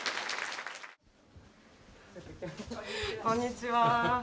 こんにちは。